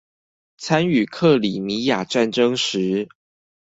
參與克里米亞戰爭時